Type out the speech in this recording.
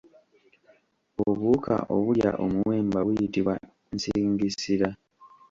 Obuwuka obulya omuwemba buyitibwa nsingisira.